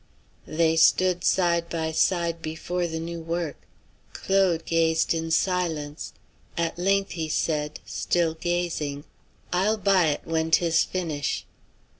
They stood side by side before the new work. Claude gazed in silence. At length he said, still gazing: "I'll buy it when 'tis finish'."